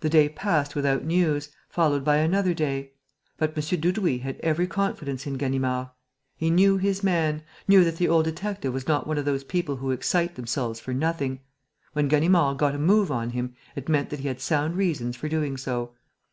The day passed without news, followed by another day. But M. Dudouis had every confidence in Ganimard. He knew his man, knew that the old detective was not one of those people who excite themselves for nothing. When Ganimard "got a move on him," it meant that he had sound reasons for doing so.